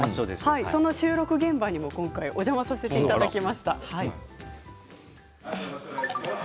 その収録現場にも今回お邪魔させていただきました。